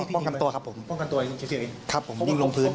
อ๋อป้องกันตัวครับผมครับผมยิงลงพื้น